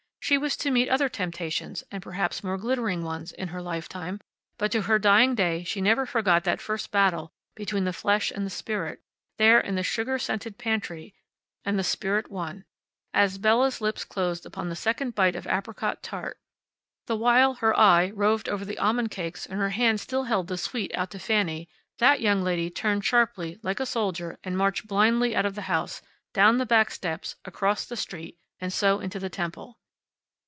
She was to meet other temptations, and perhaps more glittering ones, in her lifetime, but to her dying day she never forgot that first battle between the flesh and the spirit, there in the sugar scented pantry and the spirit won. As Bella's lips closed upon the second bite of apricot tart, the while her eye roved over the almond cakes and her hand still held the sweet out to Fanny, that young lady turned sharply, like a soldier, and marched blindly out of the house, down the back steps, across the street, and so into the temple.